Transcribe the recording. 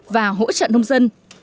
và hỗ trợ nông dân